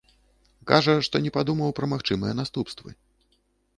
Кажа, што не падумаў пра магчымыя наступствы.